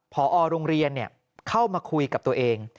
พอโรงเรียนเข้ามาคุยกับตัวเอง